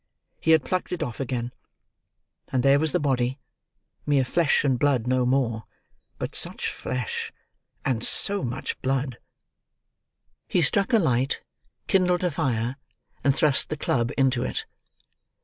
He had plucked it off again. And there was the body—mere flesh and blood, no more—but such flesh, and so much blood! He struck a light, kindled a fire, and thrust the club into it.